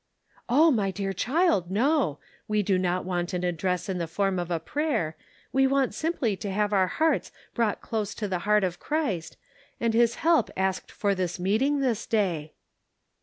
" Oh, my dear child, no ! We do not want an address in the form of a prayer; we want simply to have our hearts brought close to the heart of Christ, and his help asked for this meeting this day."